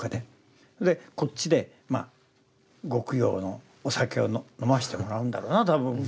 でこっちでまあご供養のお酒を飲ませてもらうんだろうなぁ多分。